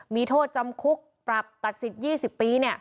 มีโทษจำคุกปรับตัดสิทธิ์๒๐ปีเนี่ย